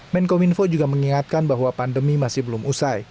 menkominfo juga mengingatkan bahwa pandemi masih belum usai